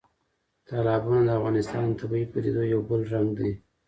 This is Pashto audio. تالابونه د افغانستان د طبیعي پدیدو یو بل رنګ دی.